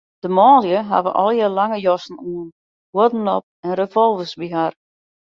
De manlju hawwe allegearre lange jassen oan, huodden op en revolvers by har.